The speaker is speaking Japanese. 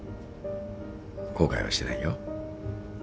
後悔はしてないよ。